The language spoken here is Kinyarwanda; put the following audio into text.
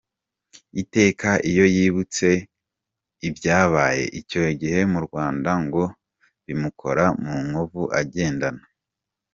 Iteka iyo yibutse ibyabaye icyo gihe mu Rwanda ngo bimukora mu nkovu agendana.